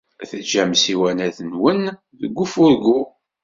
Teǧǧam ssiwanat-nwen deg ufurgu.